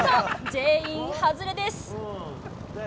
全員、外れです。